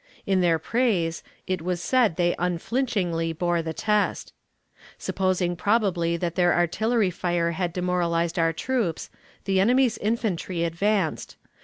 In their praise, it was said they unflinchingly bore the test. Supposing probably that their artillery fire had demoralized our troops, the enemy's infantry advanced.